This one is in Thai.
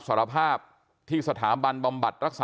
แต่ว่าวินนิสัยดุเสียงดังอะไรเป็นเรื่องปกติอยู่แล้วครับ